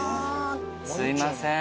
すいません。